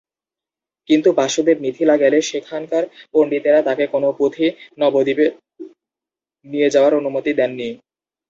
কিন্তু বাসুদেব মিথিলা গেলে, সেখানকার পণ্ডিতেরা তাকে কোনও পুঁথি নবদ্বীপে নিয়ে যাওয়ার অনুমতি দেননি।